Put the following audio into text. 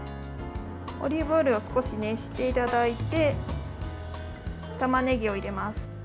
オリーブオイルを少し熱していただいてたまねぎを入れます。